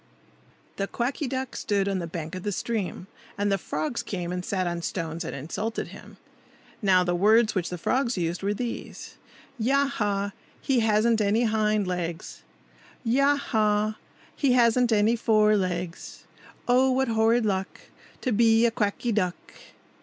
THE Quacky Duck stood on the bank of the stream. And the frogs came and sat on stones and insulted him. Now the words which the frogs used were these,— "Ya! ha! he hasn't any hind legs! Ya! ha! he hasn't any fore legs! Oh! what horrid luck To be a Quacky Duck!"